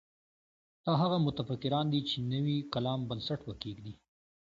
دا هغه متفکران دي چې نوي کلام بنسټ به کېږدي.